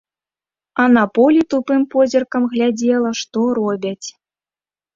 А на полі тупым позіркам глядзела, што робяць.